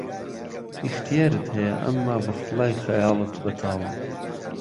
ئیختیارت ههيه ئهمما به خوڵای خهیاڵت بهتاڵه